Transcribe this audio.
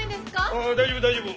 「ああ大丈夫大丈夫」。